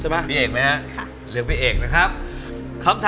ใช่ไม๊ทีมีเอกนะครับค่ะ